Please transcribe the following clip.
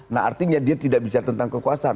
nah artinya dia tidak bicara tentang kekuasaan